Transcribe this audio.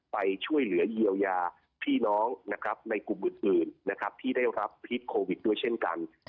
ไปช่วยเหลือยี่ยวยาพี่น้องในกลุ่มคนอื่นที่ได้รับพลิกโควิดด้วยเช่นกัน